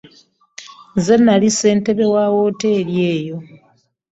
Nze nali ssentebe wa wooteeri eyo.